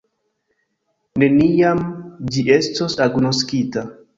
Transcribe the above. Neniam ĝi estos agnoskita.